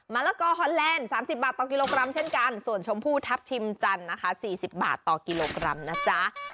ละกอฮอนแลนด์๓๐บาทต่อกิโลกรัมเช่นกันส่วนชมพู่ทัพทิมจันทร์นะคะ๔๐บาทต่อกิโลกรัมนะจ๊ะ